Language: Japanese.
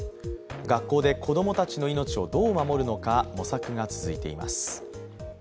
学校で子供たちの命をどう守るのか模索が続いています。